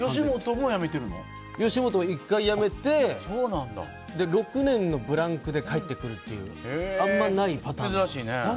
吉本も１回辞めて６年のブランクで帰ってくるっていうあんまりないパターン。